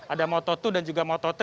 ada moto dua dan juga moto dua